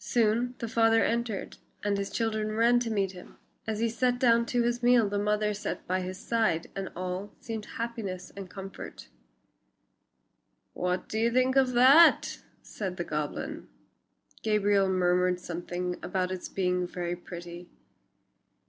Soon the father entered and the children ran to meet him. As he sat down to his meal the mother sat by his side and all seemed happiness and comfort. "What do you think of that?" said the goblin. Gabriel murmured something about its being very pretty.